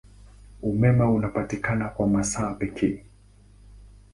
Umeme unapatikana kwa masaa pekee.